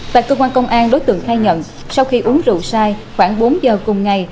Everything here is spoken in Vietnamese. tại cơ quan công an đối tượng khai nhận sau khi uống rượu sai khoảng bốn giờ cùng ngày